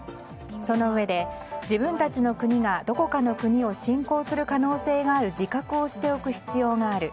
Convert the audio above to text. そのうえで、自分たちの国がどこかの国を侵攻する可能性がある自覚をしておく必要がある。